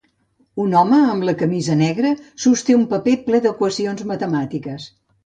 Un home amb camisa negra sosté un paper ple d'equacions matemàtiques.